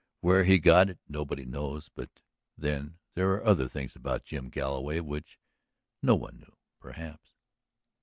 Where he got it nobody knew. But then there were other things about Jim Galloway which no one knew. Perhaps